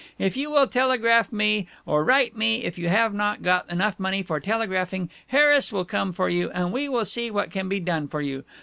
If you will telegraph me, or write me if you have not got enough money for telegraphing, Harris will come for you, & we will see what can be done for you.